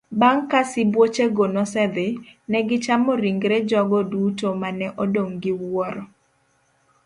Bang' ka sibuochego nosedhi, ne gichamo ringre jogo duto ma ne odong gi wuoro'.